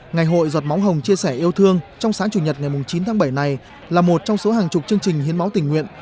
ngày hội giọt máu hồng chia sẻ yêu thương trong sáng chủ nhật ngày chín tháng bảy này là một trong số hàng chục chương trình hiến máu tình nguyện